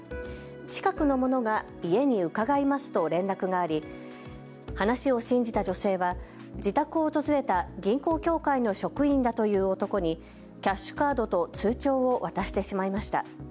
近くの者が家に伺いますと連絡があり、話を信じた女性は自宅を訪れた銀行協会の職員だという男にキャッシュカードと通帳を渡してしまいました。